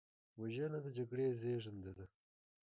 وژنه د جګړې زیږنده ده